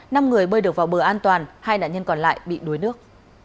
năm người bơi được vào bờ an toàn hai nạn nhân còn lại bị đuối nước